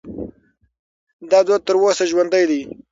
دا دود تر اوسه ژوندی دی.